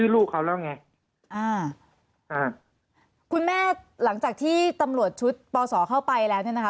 ลูกเขาแล้วไงอ่าอ่าคุณแม่หลังจากที่ตำรวจชุดปศเข้าไปแล้วเนี่ยนะคะ